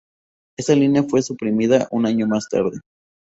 Ésta línea fue suprimida un año más tarde.